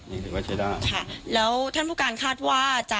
แล้วท่านผู้การคาดว่า